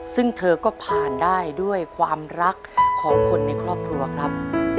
ซึ่งเธอก็ผ่านได้ด้วยความรักของคนในครอบครัวครับ